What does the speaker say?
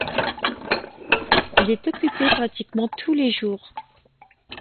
Elle est occupée pratiquement tous les jours.